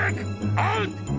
アウト！